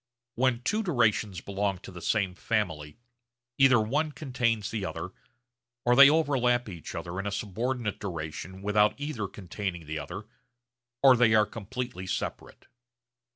When two durations belong to the same family either one contains the other, or they overlap each other in a subordinate duration without either containing the other; or they are completely separate.